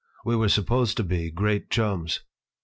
We were supposed to be great chums.